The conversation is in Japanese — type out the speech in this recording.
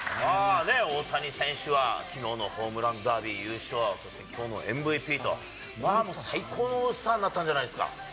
大谷選手はきのうのホームランダービー優勝、そしてきょうもＭＶＰと。まあ最高のオールスターになったんじゃないんですか。